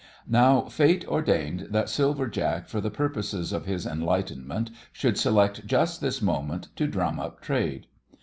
Now fate ordained that Silver Jack for the purposes of his enlightenment should select just this moment to drum up trade.